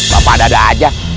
bapak dada aja